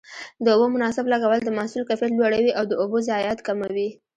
د اوبو مناسب لګول د محصول کیفیت لوړوي او د اوبو ضایعات کموي.